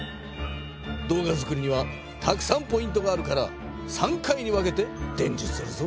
動画作りにはたくさんポイントがあるから３回に分けてでんじゅするぞ。